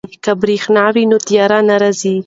که بریښنا وي نو تیاره نه راځي.